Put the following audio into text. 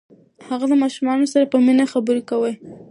هغه د ماشومانو سره په مینه خبرې کوي.